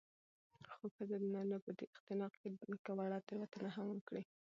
خو ښځه د نارينه په دې اختناق کې که وړه تېروتنه هم وکړي